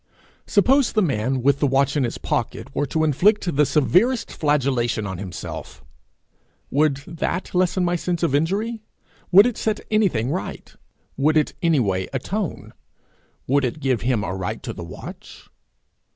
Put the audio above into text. Suppose the man, with the watch in his pocket, were to inflict the severest flagellation on himself: would that lessen my sense of injury? Would it set anything right? Would it anyway atone? Would it give him a right to the watch?